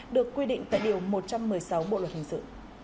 được quy định tại điều một trăm một mươi sáu bộ luật hình sự